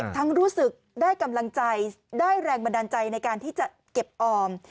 รู้สึกได้กำลังใจได้แรงบันดาลใจในการที่จะเก็บออม